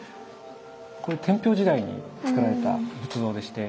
これ天平時代につくられた仏像でして